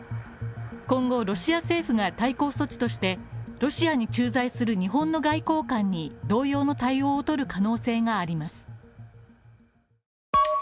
今後ロシア政府が対抗措置としてロシアに駐在する日本の外交官に同様の対応を取る可能性があります。